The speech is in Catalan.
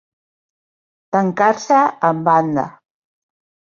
Tancar-se en banda.